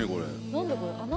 何だこれ穴？